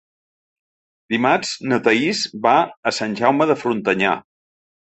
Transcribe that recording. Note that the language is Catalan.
Dimarts na Thaís va a Sant Jaume de Frontanyà.